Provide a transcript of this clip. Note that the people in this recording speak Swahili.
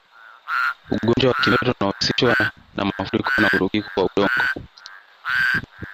Ugonjwa wa kimeta unahusishwa na mafuriko na mvurugiko wa udongo